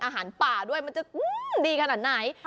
อาหารป่าด้วยมันจะดีขนาดไหน